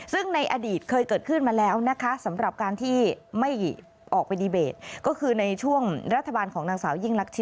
ซึ่งในอดีตเคยเกิดขึ้นมาแล้วนะคะ